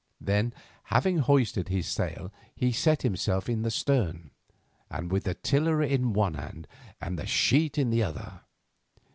Then, having hoisted his sail, he sat himself in the stern, with the tiller in one hand and the sheet in the other.